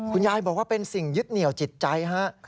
คุณยายบอกว่าเป็นสิ่งยึดเหนียวจิตใจฮะ